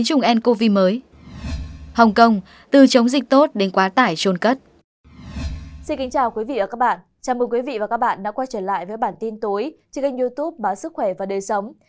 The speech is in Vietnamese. chào mừng quý vị và các bạn đã quay trở lại với bản tin tối trên kênh youtube bán sức khỏe và đời sống